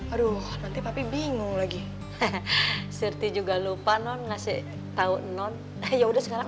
aduh nanti papi bingung lagi sirti juga lupa non ngasih tahu non ya udah sekarang